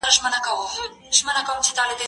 زه اوږده وخت ونې ته اوبه ورکوم؟!